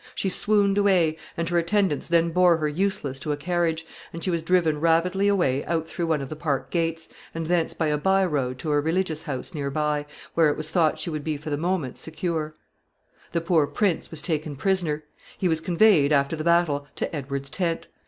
She swooned away, and her attendants then bore her senseless to a carriage, and she was driven rapidly away out through one of the park gates, and thence by a by road to a religious house near by, where it was thought she would be for the moment secure. [Sidenote: Capture of the prince.] The poor prince was taken prisoner. He was conveyed, after the battle, to Edward's tent.